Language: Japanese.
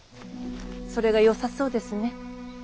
それがよさそうですね。